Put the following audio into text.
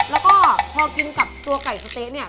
แล้วก็พอกินกับตัวไก่สะเต๊ะเนี่ย